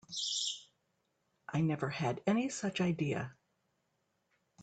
I never had any such idea.